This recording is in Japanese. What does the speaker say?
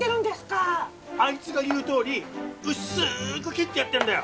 ⁉あいつが言うとおり薄く切ってやってるんだよ！